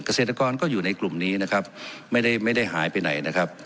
เกษตรกรก็อยู่ในกลุ่มนี้นะครับไม่ได้ไม่ได้หายไปไหนนะครับ